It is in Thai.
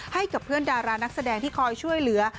ให้กับเพื่อนดารานักแสดงที่คอยช่วยเหลือ